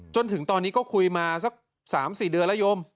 จนถึงตอนนี้ก็คุยมาสัก๓๔เดือนแล้วยม